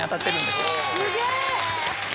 すげえ！